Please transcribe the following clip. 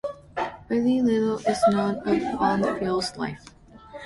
Very little is known of Barnfield's life.